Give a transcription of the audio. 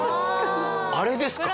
あれですか？